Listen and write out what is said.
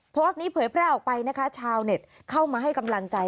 โพสต์นี้เผยแพร่ออกไปนะคะชาวเน็ตเข้ามาให้กำลังใจ